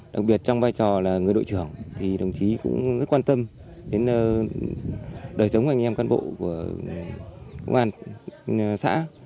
đặc biệt trong vai trò là người đội trưởng thì đồng chí cũng rất quan tâm đến đời sống anh em cán bộ của công an xã